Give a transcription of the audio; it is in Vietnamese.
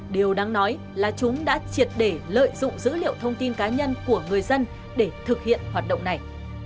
điều đáng nói là chúng đã triệt để lợi dụng dữ liệu thông tin cá nhân của người dân để thực hiện hoạt động này